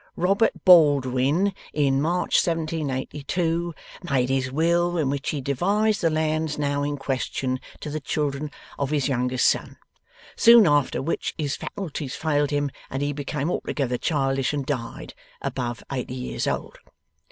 Robert Baldwin, in March 1782, made his will, in which he devised the lands now in question, to the children of his youngest son; soon after which his faculties failed him, and he became altogether childish and died, above eighty years old.